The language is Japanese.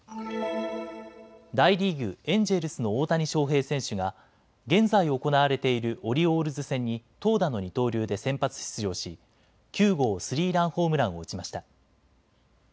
大リーグ、エンジェルスの大谷翔平選手が現在行われているオリオールズ戦に投打の二刀流で先発出場し９号スリーランホームランを打ちました。